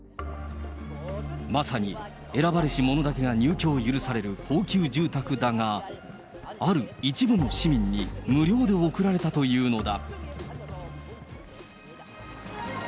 まさに選ばれし者だけが入居を許される高級住宅だが、ある一部の市民に無料で贈られたというのだ。